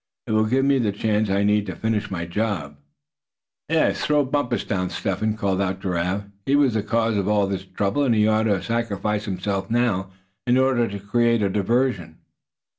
It will give me the chance I need to finish my job." "Yes, throw Bumpus down, Step Hen!" called out Giraffe. "He was the cause of all this trouble and he ought to sacrifice himself now, in order to create a diversion."